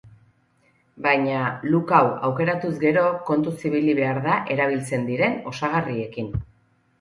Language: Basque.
Baina, look hau aukeratuz gero kontuz ibili behar da erabiltzen diren osagarriekin.